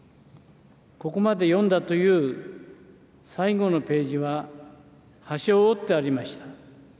ここまで読んだという最後のページは、端を折ってありました。